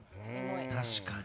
確かに。